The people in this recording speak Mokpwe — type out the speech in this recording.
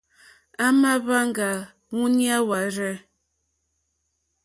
À mà hwáŋgá wûɲá wárzɛ̂.